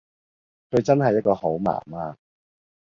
佢真係一個好媽媽